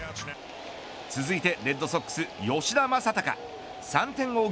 続いて、レッドソックス吉田正尚３点を追う